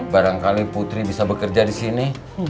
barangkali putri bisa bekerja di sini